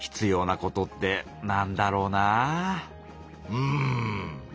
うん。